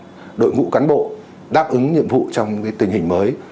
ví dụ như là việc xây dựng đội ngũ cán bộ đáp ứng nhiệm vụ trong tình hình mới